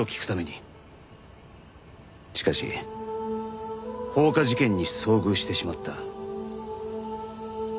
しかし放火事件に遭遇してしまった。